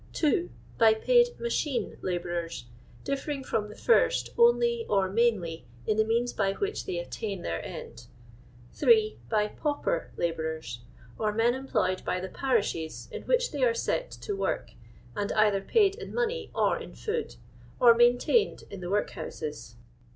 2. By paid " Machine " labourers, diflfering from the first only or mainly in the means by which they attain their end. ti. liy pauper labourers, or men employed by the parishes in which they are set to work, and either paid in money or in food, or maintained in the woikhoiises.